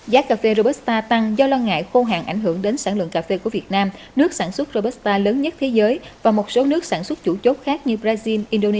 giá cà phê robusta tăng do lo ngại khô hàng ảnh hưởng đến sản lượng cà phê của việt nam nước sản xuất robusta lớn nhất thế giới và một số nước sản xuất chủ chốt khác như brazil indonesia